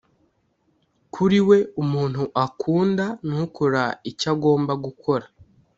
Kuri we umuntu akunda ni ukora icyo agomba gukora